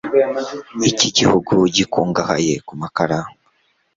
Iki gihugu gikungahaye ku makara